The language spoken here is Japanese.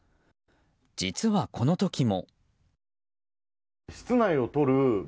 実はこの時も。